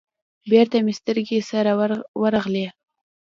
بېرته مې سترگې سره ورغلې.